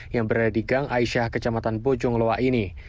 yang berada di gang aisyah kecamatan bojong loa ini